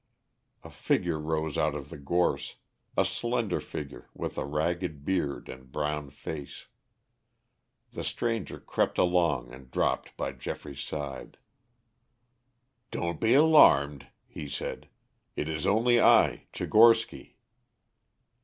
A figure rose out of the gorse, a slender figure with a ragged beard and brown face. The stranger crept along and dropped by Geoffrey's side. "Don't be alarmed," he said. "It is only I Tchigorsky."